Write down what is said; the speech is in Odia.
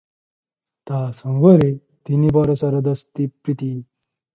ତା’ ସଙ୍ଗରେ ତିନି ବରଷର ଦୋସ୍ତି, ପ୍ରୀତି ।